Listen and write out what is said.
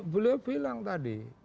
beliau bilang tadi